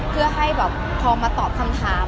เพื่อให้แบบพอมาตอบคำถาม